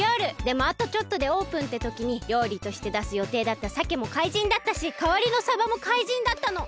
でもあとちょっとでオープンってときにりょうりとしてだすよていだったさけもかいじんだったしかわりのさばもかいじんだったの。